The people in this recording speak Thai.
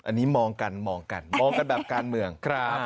อันนี้มองกันมองกันแบบการเมือง